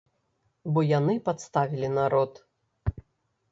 Бо яны падставілі народ.